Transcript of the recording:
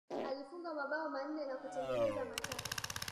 alifunga mabao manne na kutengeneza matatu